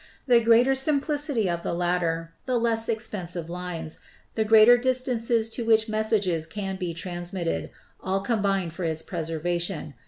The greater simplicity of the latter, the less expensive lines, the greater distances to which messages can be transmitted, all combine for its preservation.